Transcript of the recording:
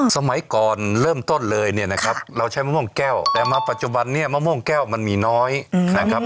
สมัยก่อนเริ่มต้นเลยเนี่ยนะครับเราใช้มะม่วงแก้วแต่มาปัจจุบันนี้มะม่วงแก้วมันมีน้อยนะครับ